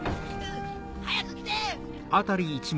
早く来て！